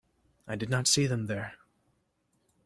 I did not see them there.